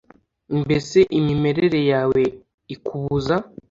mbese imimerere yawe ikubuza